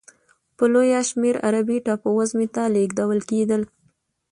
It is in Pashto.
په لویه شمېر عربي ټاپو وزمې ته لېږدول کېدل.